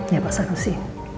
ya pak sarusi